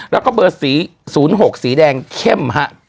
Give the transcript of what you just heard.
แล้วก็เบอร์๔๐๖สีแดงเข้มฮะ